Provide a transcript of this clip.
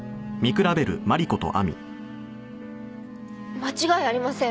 間違いありません。